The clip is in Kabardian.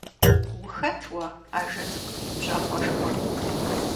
Ухэт уэ, ажэ цӀыкӀу бжьакъуэшхуэ?